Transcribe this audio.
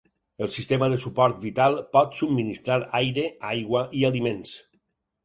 El sistema de suport vital pot subministrar aire, aigua i aliments.